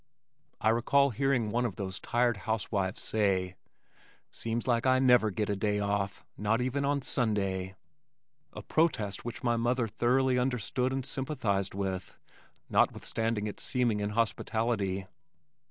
I recall hearing one of the tired house wives say, "Seems like I never get a day off, not even on Sunday," a protest which my mother thoroughly understood and sympathized with, notwithstanding its seeming inhospitality.